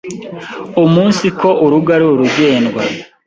umunsiko urugo ari urugendwa.